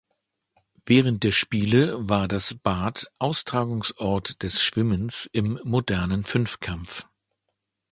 Während der Spiele war das Bad Austragungsort des Schwimmens im Modernen Fünfkampf.